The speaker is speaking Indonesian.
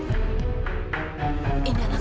sudah berjalan ke rumah